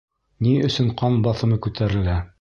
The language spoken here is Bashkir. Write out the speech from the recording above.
Ни өсөн ҡан баҫымы күтәрелә?